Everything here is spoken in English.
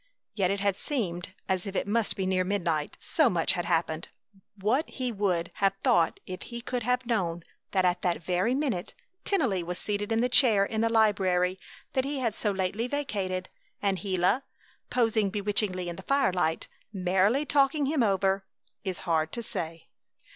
Yet it had seemed as if it must be near midnight, so much had happened. What he would have thought if he could have known that at that very minute Tennelly was seated in the chair in the library that he had so lately vacated, and Gila, posing bewitchingly in the firelight, merrily talking him over, is hard to say.